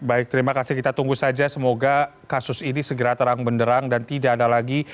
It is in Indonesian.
baik terima kasih kita tunggu saja semoga kasus ini segera terang benderang dan tidak ada lagi